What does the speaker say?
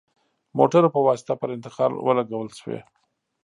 موټرو په واسطه پر انتقال ولګول شوې.